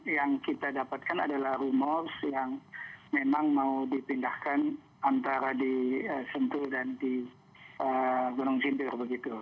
yang kita dapatkan adalah rumor yang memang mau dipindahkan antara di sentul dan di gunung simpir begitu